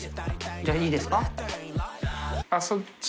じゃあいいですか？